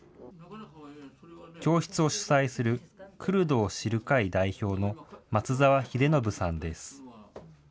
教室を主宰するクルドを知る会代表の松澤秀延さんです。